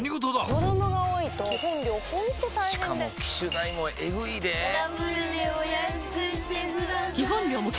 子供が多いと基本料ほんと大変でしかも機種代もエグいでぇダブルでお安くしてください